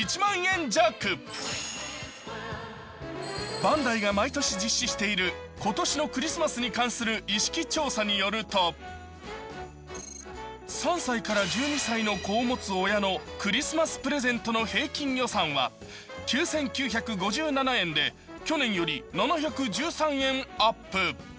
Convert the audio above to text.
バンダイが毎年実施している今年のクリスマスに関する意識調査によると３歳から１２歳の子を持つ親のクリスマスプレゼントの平均予算は９９５７円で去年より７１３円アップ。